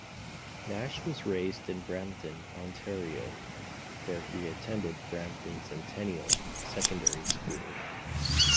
Nash was raised in Brampton, Ontario, where he attended Brampton Centennial Secondary School.